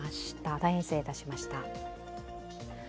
大変失礼いたしました。